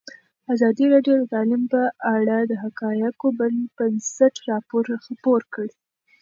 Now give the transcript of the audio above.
ازادي راډیو د تعلیم په اړه د حقایقو پر بنسټ راپور خپور کړی.